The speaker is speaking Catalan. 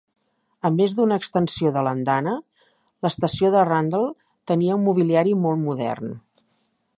A més d'una extensió de l'andana, l'estació de Rundle tenia un mobiliari molt modern.